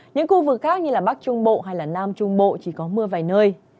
những khu vực khác như bắc trung bộ hay là nam trung bộ chỉ có mưa vài nơi